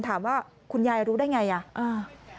ถามว่าคุณยายรู้ได้อย่างไร